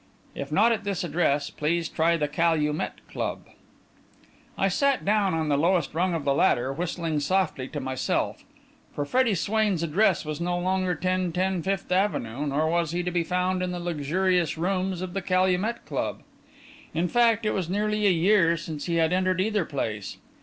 If not at this address, please try the Calumet Club. I sat down on the lowest rung of the ladder, whistling softly to myself. For Freddie Swain's address was no longer 1010 Fifth Avenue, nor was he to be found in the luxurious rooms of the Calumet Club. In fact, it was nearly a year since he had entered either place.